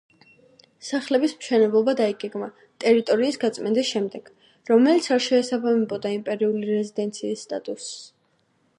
სახლების მშენებლობა დაიგეგმა ტერიტორიის გაწმენდის შემდეგ, რომელიც არ შეესაბამებოდა იმპერიული რეზიდენციის სტატუსს.